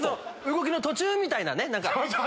動きの途中みたいなね。